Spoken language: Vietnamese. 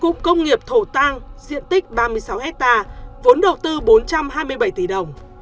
cụm công nghiệp thổ tăng diện tích ba mươi sáu hectare vốn đầu tư bốn trăm hai mươi bảy tỷ đồng